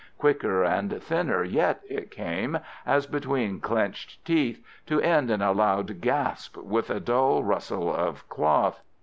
Quicker and thinner yet it came, as between clenched teeth, to end in a loud gasp with a dull rustle of cloth.